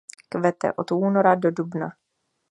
Kvete od února do dubna.